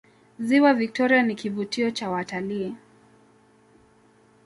ziwa victoria ni kivutio cha watalii